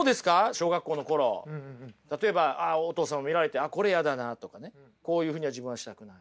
小学校の頃例えばお父さんを見られて「あっこれやだな」とかね「こういうふうには自分はしたくない」。